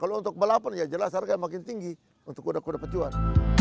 kalau untuk balapan ya jelas harga makin tinggi untuk kuda kuda pecuan